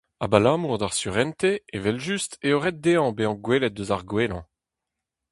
Abalamour d'ar surentez, evel-just, eo ret dezhañ bezañ gwelet eus ar gwellañ.